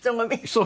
そう。